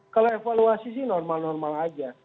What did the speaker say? kalau evaluasi sih normal normal aja